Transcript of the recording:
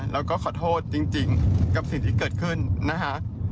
แล้วก็ขอโทษจริงกับสิ่งที่เกิดขึ้นนะคะ